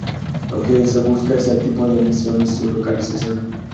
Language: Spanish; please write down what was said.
Lo que se busca es el tipo de emisión y su localización.